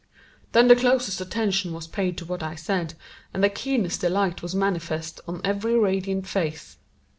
Then the closest attention was paid to what I said, and the keenest delight was manifest on every radiant face.